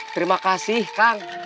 terima kasih kang